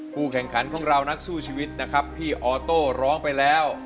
แข่งขันของเรานักสู้ชีวิตนะครับพี่ออโต้ร้องไปแล้ว